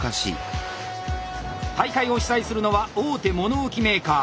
大会を主催するのは大手物置メーカー。